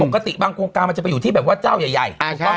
ปกติกรงค์การมาถูกอยู่ที่เจ้าใหญ่ใหญ่